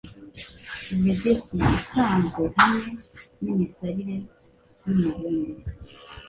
Vested isanzwe hamwe nimirasire yumubumbe